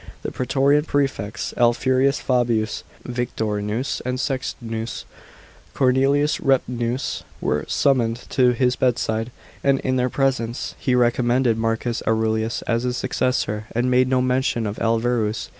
The praetorian prefects, L. Furius (Fabius) Victorinus and Scxtns Cornelius Repentinus, were summoned to his bedside, and in their presence he recommended Marcus Aurelius as his successor, and made no mention of L. Verus.